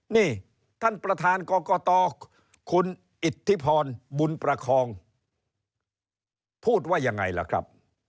นี่ท่านประธานกรกตคุณอิทธิพรบุญประคองพูดว่ายังไงล่ะครับ